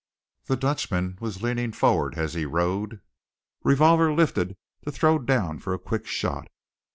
The Dutchman was leaning forward as he rode, revolver lifted to throw down for a quick shot.